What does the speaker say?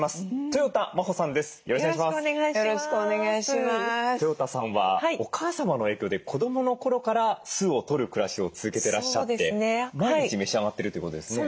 とよたさんはお母様の影響で子どもの頃から酢をとる暮らしを続けてらっしゃって毎日召し上がってるということですね。